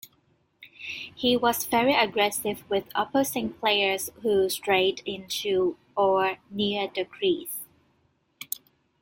He was very aggressive with opposing players who strayed into or near the crease.